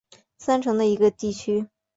三城的一个地区。